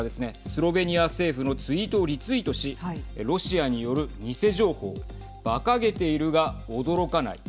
スロベニア政府のツイートをリツイートしロシアによる偽情報ばかげているが驚かない。